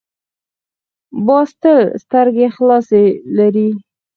باز تل سترګې خلاصې لري